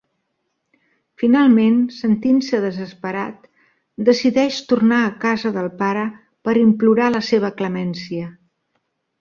Finalment, sentint-se desesperat, decideix tornar a casa del pare per implorar la seva clemència.